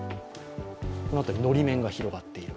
この辺り、のり面が広がっている。